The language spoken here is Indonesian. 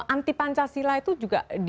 anti pancasila itu juga